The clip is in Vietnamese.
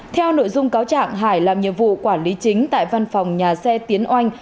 theo nội dung cáo trạng hải làm nhiệm vụ quản lý chính tại văn phòng nhà xe tiến oanh